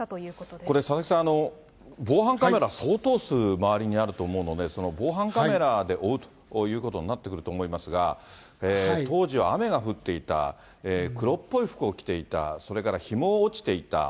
これ、佐々木さん、防犯カメラ、相当数周りにあると思うので、防犯カメラで追うということになってくると思いますが、当時は雨が降っていた、黒っぽい服を着ていた、それから日も落ちていた。